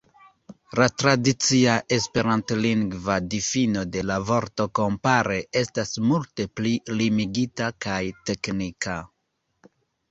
La tradicia esperantlingva difino de la vorto kompare estas multe pli limigita kaj teknika.